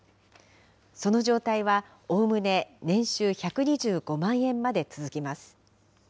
その状態は、おおむね年収１２５万円まで続きます。